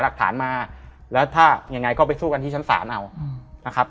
หลักฐานมาแล้วถ้ายังไงก็ไปสู้กันที่ชั้นศาลเอานะครับ